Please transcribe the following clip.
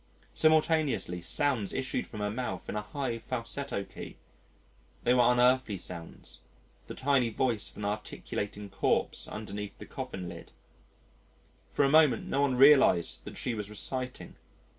Simultaneously sounds issued from her mouth in a high falsetto key; they were unearthly sounds, the tiny voice of an articulating corpse underneath the coffin lid. For a moment no one realised that she was reciting.